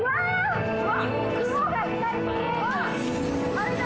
あれだ！